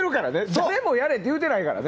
誰もやれって言うてないからね。